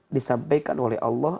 disampaikan oleh allah